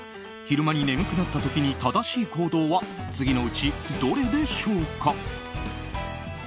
昼間に眠くなった時に正しい行動は次のうちどれでしょうか。